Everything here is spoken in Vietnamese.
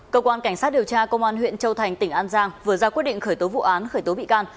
cơ quan cảnh sát điều tra công an huyện châu thành tỉnh an giang vừa ra quyết định khởi tố vụ án khởi tố bị can